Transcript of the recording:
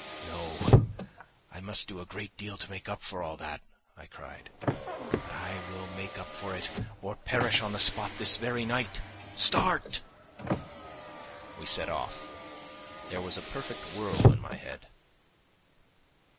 "No, I must do a great deal to make up for all that," I cried. "But I will make up for it or perish on the spot this very night. Start!" We set off. There was a perfect whirl in my head.